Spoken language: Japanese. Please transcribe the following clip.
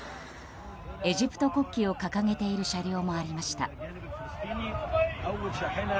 エジプト国旗を掲げている車両もありました。